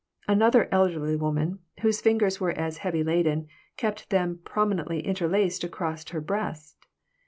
Another elderly woman, whose fingers were as heavily laden, kept them prominently interlaced across her breast.